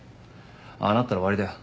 ああなったら終わりだよ。